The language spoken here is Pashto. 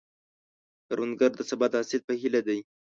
کروندګر د سبا د حاصل په هیله دی